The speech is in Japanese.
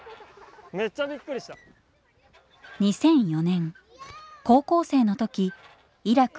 ２００４年高校生の時「イラク